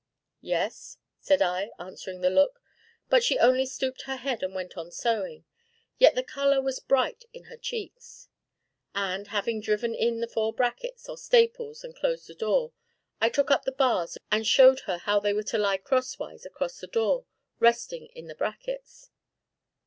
"Yes?" said I, answering the look. But she only stooped her head and went on sewing; yet the color was bright in her cheeks. And, having driven in the four brackets, or staples, and closed the door, I took up the bars and showed her how they were to lie crosswise across the door, resting in the brackets.